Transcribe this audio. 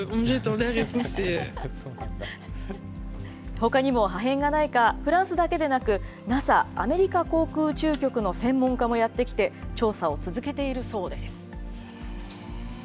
ほかにも破片がないか、フランスだけでなく、ＮＡＳＡ・アメリカ航空宇宙局の専門家もやって来て、調査を続けているそうです。